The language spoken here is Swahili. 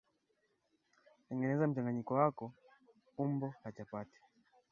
Tengeneza mchanganyiko wako umbo la chapati